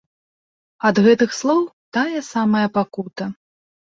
Ад гэтых слоў тая самая пакута.